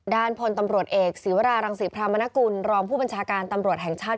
ด้านพลตำรวจเอกศีวรารังศรีพรามนกุลรองผู้บัญชาการตำรวจแห่งชาติ